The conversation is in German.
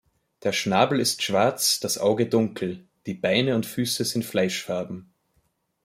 Der Schnabel ist schwarz, das Auge dunkel; die Beine und Füße sind fleischfarben.